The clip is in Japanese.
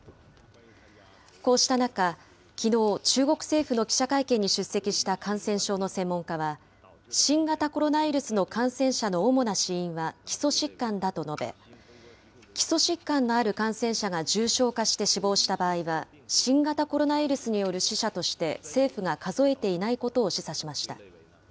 こうした中、きのう中国政府の記者会見に出席した感染症の専門家は、新型コロナウイルスの感染者の主な死因は基礎疾患だと述べ、基礎疾患のある感染者が重症化して死亡した場合は、新型コロナウイルスによる死者として政府が数えていないことを示唆しました。